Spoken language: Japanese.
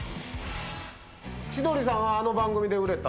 千鳥さんはあの番組で売れた。